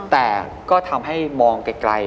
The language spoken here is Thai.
แต่ก็ทำให้มองไกล